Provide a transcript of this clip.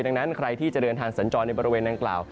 ดังนั้นใครที่จะเดินทางสัญจรในบริเวณดังกล่าว